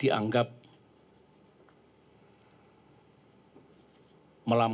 dan untuk memperkenalkan